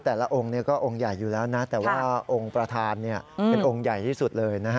แต่ละองค์ก็องค์ใหญ่อยู่นะคะแต่ว่าองค์ประธานเป็นองค์ใหญ่ที่สุดเลย